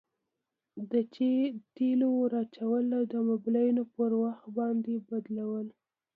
د تیلو ور اچول او د مبلایلو پر وخت باندي بدلول.